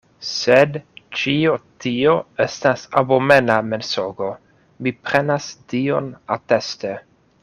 Sed ĉio tio estas abomena mensogo; mi prenas Dion ateste.